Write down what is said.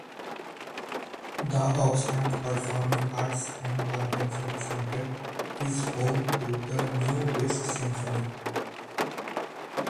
The Oxnard Performing Arts and Convention Center is home to the New West Symphony.